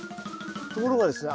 ところがですね